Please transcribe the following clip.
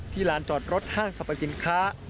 ลานจอดรถห้างสรรพสินค้า